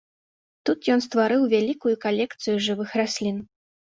Тут ён стварыў вялікую калекцыю жывых раслін.